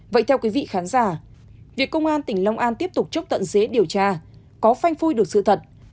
vậy theo quý vị khán giả việc công an tỉnh long an tiếp tục chốc tận dế điều tra có phanh phôi được sự thật